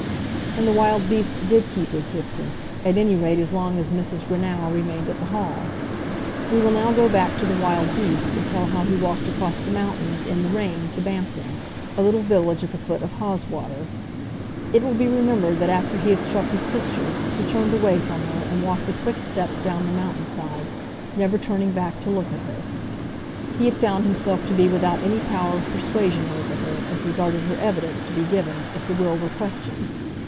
And the wild beast did keep his distance, at any rate as long as Mrs. Greenow remained at the Hall. We will now go back to the wild beast, and tell how he walked across the mountains, in the rain, to Bampton, a little village at the foot of Haweswater. It will be remembered that after he had struck his sister, he turned away from her, and walked with quick steps down the mountain side, never turning back to look at her. He had found himself to be without any power of persuasion over her, as regarded her evidence to be given, if the will were questioned.